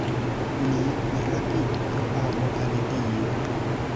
Ni rapidu, pro amo al Dio!